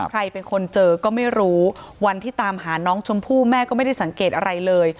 ใครเป็นคนเจอก็ไม่รู้วันที่ตามหาน้องชมพู่แม่ก็ไม่ได้สังเกตอะไรเลย